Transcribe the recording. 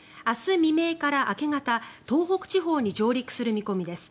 未明から明け方東北地方に上陸する見込みです。